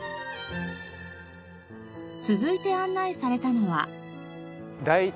続いて案内されたのは。